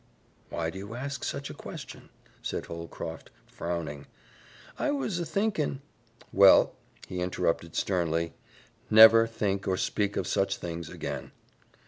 "Why do you ask such a question?" said Holcroft, frowning. "I was a thinkin' " "Well," he interrupted sternly, "never think or speak of such things again."